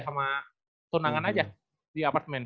sama tunangan aja di apartemen